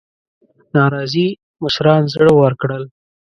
ناراضي مشران زړه ورکړل.